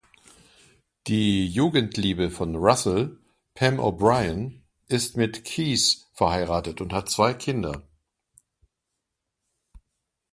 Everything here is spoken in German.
Die Jugendliebe von Russell, Pam O'Brien, ist mit Keith verheiratet und hat zwei Kinder.